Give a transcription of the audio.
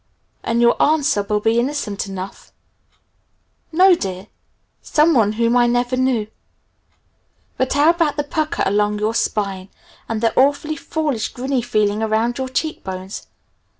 And your answer will be innocent enough: 'No, dear, someone whom I never knew!' But how about the pucker along your spine, and the awfully foolish, grinny feeling around your cheek bones?